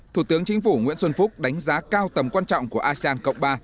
thủ tướng chính phủ nguyễn xuân phúc đánh giá cao tầm quan trọng của asean cộng ba